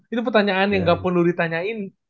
itu pertanyaan yang gak pun lu ditanyain